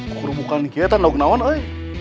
kurung mukaan kia tanah ukenawan uy